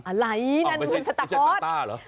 อะไรนั่นมันสตะพอส